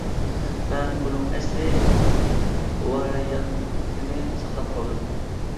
مەن بۇنىڭ ئەسلى ۋارىيانتىنى ساقلاپ قالدىم.